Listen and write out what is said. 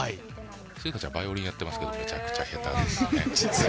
しずかちゃん、バイオリンやってますけどめちゃくちゃ下手なんですよ。